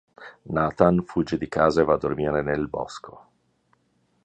Nathan fugge di casa e va a dormire nel bosco.